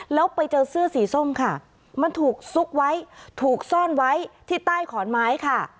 แล้วไปเจอเสื้อสีส้มค่ะมันถูกซุกไว้ถูกซ่อนไว้ที่ใต้ขอนไม้ค่ะ